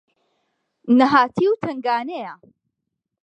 نەهاتی و تەنگانەیە